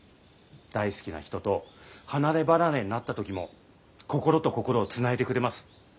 大好きな人と離れ離れになった時も心と心をつないでくれます。